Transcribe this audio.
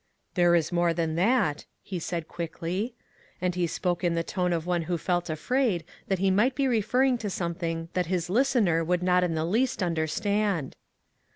" There is more than that," he said quickly; 285 MAG AND MARGARET and he spoke in the tone of one who felt afraid that he might be referring to something that his listener would not in the least understand.